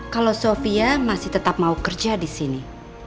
kalau sofia masih tetap mau kerja disini